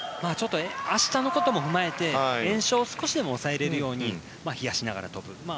明日のことも踏まえて炎症を少しでも抑えれるように冷やしながらと。